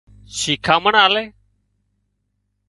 شيکامڻ آلي